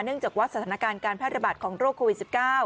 จากว่าสถานการณ์การแพร่ระบาดของโรคโควิด๑๙